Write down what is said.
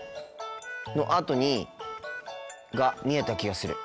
のあとにが見えた気がする。